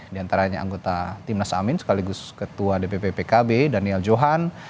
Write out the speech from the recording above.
di antaranya anggota timnas amin sekaligus ketua dpp pkb daniel johan